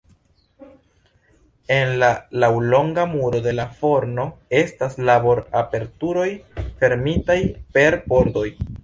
En la laŭlonga muro de la forno estas labor-aperturoj fermitaj per pordoj.